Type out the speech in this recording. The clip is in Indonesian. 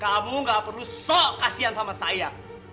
kamu gak perlu sok kasihan sama saya